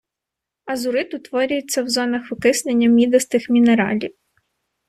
Азурит утворюється в зонах окиснення мідистих мінералів.